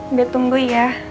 udah tunggu ya